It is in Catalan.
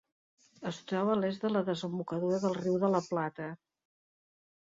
Es troba a l'est de la desembocadura del riu de La Plata.